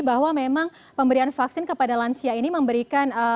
bahwa memang pemberian vaksin kepada lansia ini memberikan